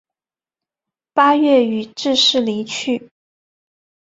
八月予致仕离去。